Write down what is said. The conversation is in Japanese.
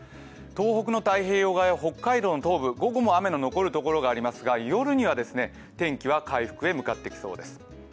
東北の太平洋側や北海道の東部、午後も雨の残るところがありますが、夜には天気は回復へ向かっていきそうです。